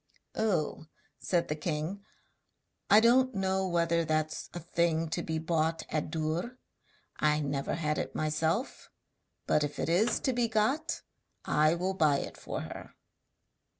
'Oh!' said the king, 'I don't know whether that's a thing to be bought at Dûr; I never had it myself, but if it is to be got I will buy it for her.'